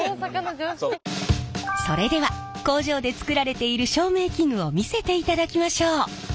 それでは工場で作られている照明器具を見せていただきましょう。